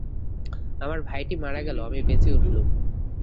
আমার ভাইটি মারা গেল, আমি বেঁচে উঠলুম।